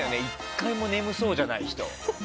１回も眠そうじゃない人。